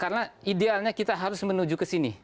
karena idealnya kita harus menuju kesini